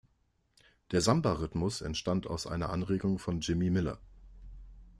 Der Samba-Rhythmus entstand aus einer Anregung von Jimmy Miller.